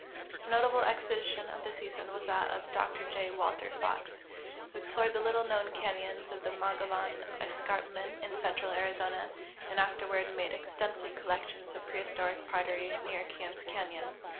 A notalffe expedition of the season Avas that of Dr .J. M^alter FeAAdces, Avho explored the little knoAvn canyons of the Mogollon escar])inent in central Arizona and aftei'Avard made extensive collections of prehistoric pottery near Kearns canyon.